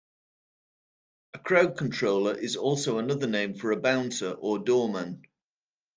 A crowd controller is also another name for a bouncer or doorman.